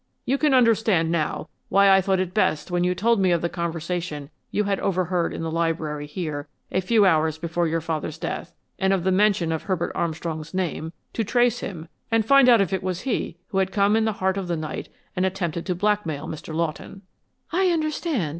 You can understand now why I thought it best when you told me of the conversation you had overheard in the library here a few hours before your father's death, and of the mention of Herbert Armstrong's name, to trace him and find out if it was he who had come in the heart of the night and attempted to blackmail Mr. Lawton." "I understand.